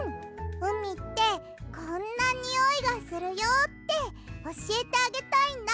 うみってこんなにおいがするよっておしえてあげたいんだ。